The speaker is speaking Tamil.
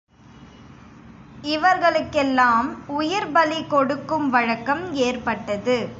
இவர்களுக்கெல்லாம் உயிர்ப்பலி கொடுக்கும் வழக்கம் ஏற்பட்டது.